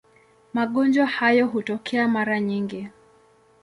Magonjwa hayo hutokea mara nyingi.